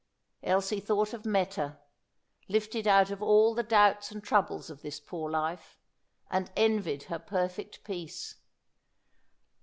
Elsie thought of Meta, lifted out of all the doubts and troubles of this poor life, and envied her perfect peace.